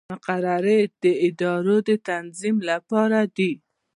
مقررې د ادارو د تنظیم لپاره دي